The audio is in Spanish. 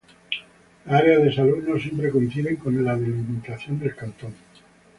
Las áreas de salud no siempre coinciden con la delimitación del cantón.